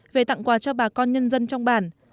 về tặng quà cho bà con nhân dân trong bản